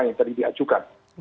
yang tadi diajukan